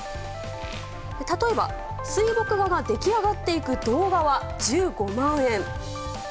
例えば水墨画が出来上がっていく動画は１５万円。